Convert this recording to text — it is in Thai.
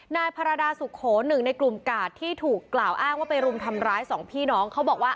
นายพารดาสุโขหนึ่งในกลุ่มกาดที่ถูกกล่าวอ้างว่าไปรุมทำร้ายสองพี่น้องเขาบอกว่า